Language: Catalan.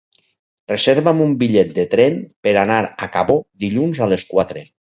Reserva'm un bitllet de tren per anar a Cabó dilluns a les quatre.